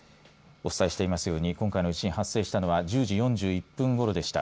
お伝えしていますように今回の地震発生したのは１０時４１分ごろでした。